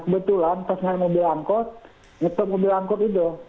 kebetulan pas naik mobil angkot nyetor mobil angkot itu